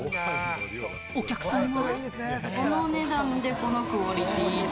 お客さんは。